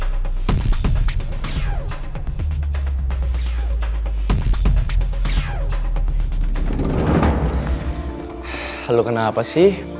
dari tadi mukanya bete banget